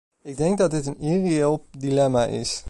Ik denk dat dit een irreëel dilemma is.